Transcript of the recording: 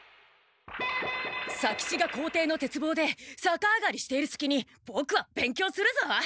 左吉が校庭のてつぼうでさか上がりしているすきにボクは勉強するぞ！